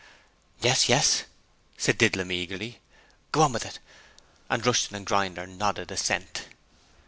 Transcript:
'Yes, yes,' said Didlum eagerly. 'Go on with it.' And Rushton and Grinder nodded assent.